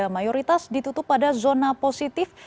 mayoritas ditutup pada zona positif